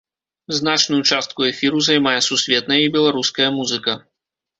Значную частку эфіру займае сусветная і беларуская музыка.